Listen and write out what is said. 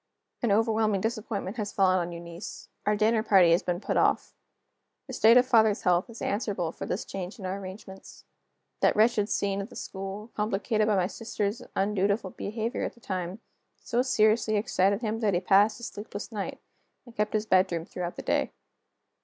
An overwhelming disappointment has fallen on Eunice. Our dinner party has been put off. The state of father's health is answerable for this change in our arrangements. That wretched scene at the school, complicated by my sister's undutiful behavior at the time, so seriously excited him that he passed a sleepless night, and kept his bedroom throughout the day.